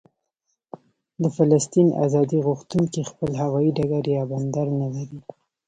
د فلسطین ازادي غوښتونکي خپل هوايي ډګر یا بندر نه لري.